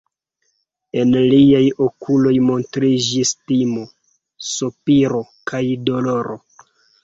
En liaj okuloj montriĝis timo, sopiro kaj doloro.